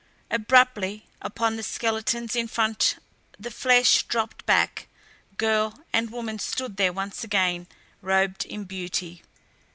Abruptly, upon the skeletons in front the flesh dropped back. Girl and woman stood there once again robed in beauty.